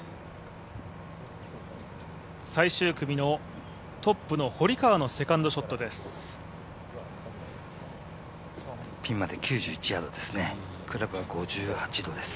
最終組のトップの堀川のセカンドショットです。